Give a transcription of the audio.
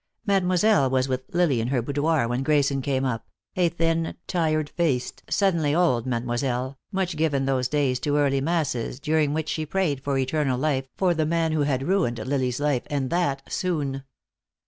Mademoiselle was with Lily in her boudoir when Grayson came up, a thin, tired faced, suddenly old Mademoiselle, much given those days to early masses, during which she prayed for eternal life for the man who had ruined Lily's life, and that soon.